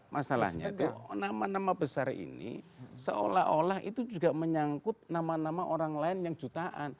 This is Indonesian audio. masalahnya nama nama besar ini seolah olah itu juga menyangkut nama nama orang lain yang jutaan